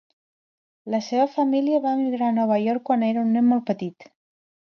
La seva família va emigrar a Nova York quan era un nen molt petit.